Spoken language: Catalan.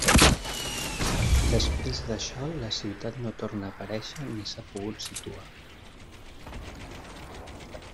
Després d'això la ciutat no torna a aparèixer ni s'ha pogut situar.